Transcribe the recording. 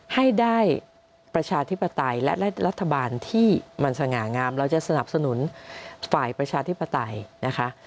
ให้ได้ประชาธิปไตยและรัฐบาลที่มันสง่างามเราจะสนับสนุนฝ่ายประชาธิปไตยนะคะ